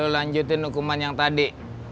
lanjutin hukuman yang tadi